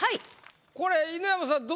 これ犬山さん